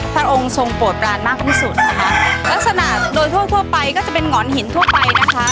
พระองค์ทรงโปรดปรานมากที่สุดนะคะลักษณะโดยทั่วทั่วไปก็จะเป็นหงอนหินทั่วไปนะคะ